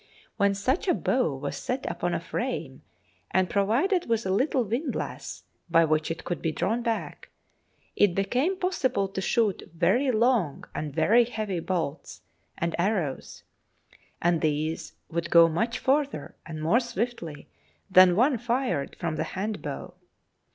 When such a bow was set upon a frame and provided with a little windlass by which it could be drawn back, it became possible to shoot very long and very heavy bolts and arrows, and these would go much farther and more swiftly than one fired from the hand bow.